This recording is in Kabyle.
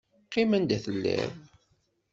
Qqim anda telliḍ!